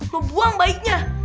mau buang bayinya